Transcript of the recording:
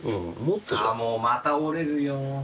ああもうまた折れるよ。